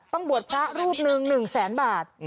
บวชพระรูปหนึ่ง๑แสนบาท